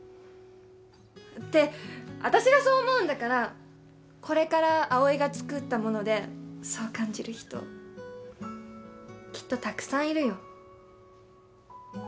って私がそう思うんだからこれから葵がつくったものでそう感じる人きっとたくさんいるよ。